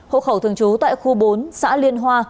hộ khẩu thường trú tại khu bốn xã liên hoa